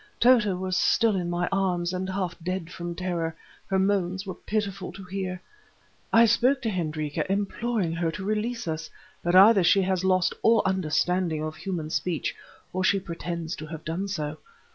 Tota was still in my arms, and half dead from terror; her moans were pitiful to hear. I spoke to Hendrika, imploring her to release us; but either she has lost all understanding of human speech, or she pretends to have done so.